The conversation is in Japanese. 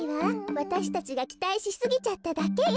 わたしたちがきたいしすぎちゃっただけよ。